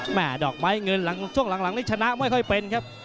ดอกไม้เงินหลังช่วงหลังนี้ชนะไม่ค่อยเป็นครับ